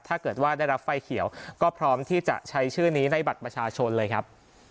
ถ้าเกิดว่าได้รับไฟเขียวก็พร้อมที่จะใช้ชื่อนี้ในบัตรประชาชนเลยครับ